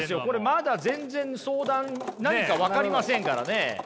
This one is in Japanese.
まだ全然相談何か分かりませんからね。